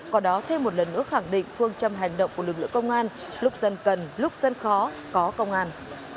có đó thêm một lần nữa khẳng định phương châm hành động của lực lượng công an lúc dân cần lúc dân khó có công an